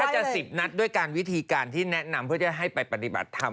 จะ๑๐นัดด้วยการวิธีการที่แนะนำเพื่อจะให้ไปปฏิบัติธรรม